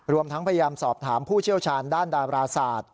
รวมทั้งพยายามสอบถามผู้เชี่ยวชาญด้านดาราศาสตร์